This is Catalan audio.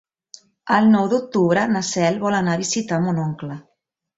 El nou d'octubre na Cel vol anar a visitar mon oncle.